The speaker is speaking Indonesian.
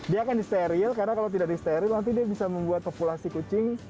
dia akan disteril karena kalau tidak disteril nanti dia bisa membuat populasi kucing